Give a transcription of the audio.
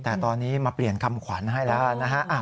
แต่ตอนนี้มาเปลี่ยนคำขวัญให้แล้วนะฮะ